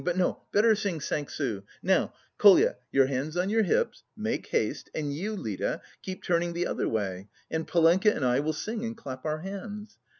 "But no, better sing 'Cinq sous.' Now, Kolya, your hands on your hips, make haste, and you, Lida, keep turning the other way, and Polenka and I will sing and clap our hands!